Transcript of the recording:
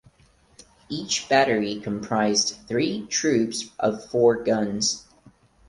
Each battery comprised three Troops of four guns.